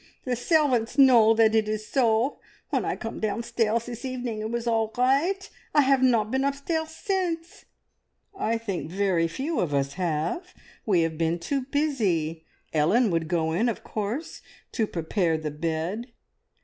The servants know that it is so. When I came downstairs this evening it was all right. I have not been upstairs since." "I think very few of us have. We have been too busy. Ellen would go in, of course, to prepare the bed.